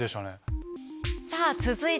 さぁ続いて。